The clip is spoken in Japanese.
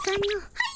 はい！